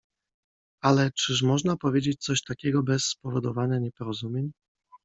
Ale czyż można powiedzieć coś takiego bez spowodowania nieporozumień?